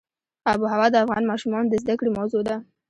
آب وهوا د افغان ماشومانو د زده کړې موضوع ده.